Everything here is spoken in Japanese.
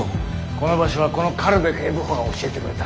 この場所はこの軽部警部補が教えてくれた。